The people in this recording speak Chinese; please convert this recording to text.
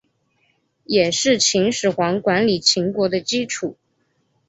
也是秦始皇管理秦国的基础。